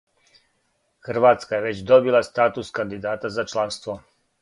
Хрватска је већ добила статус кандидата за чланство.